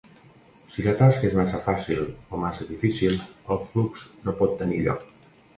Si la tasca és massa fàcil o massa difícil, el flux no pot tenir lloc.